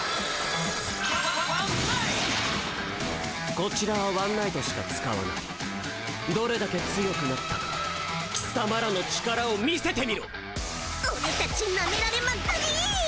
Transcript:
こちらはワンナイトしか使わないどれだけ強くなったか貴様らの力を見せてみろオレたちナメられまくり！？